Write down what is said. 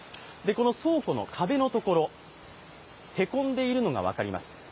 この倉庫の壁のところ、へこんでいるのが分かります。